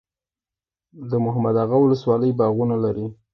د محمد اغه باغونه لري